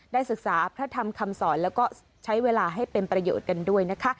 ศึกษาพระธรรมคำสอนแล้วก็ใช้เวลาให้เป็นประโยชน์กันด้วยนะคะ